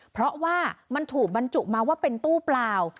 เพราะว่ามันถูกบรรจุมาว่าเป็นตู้เปล่า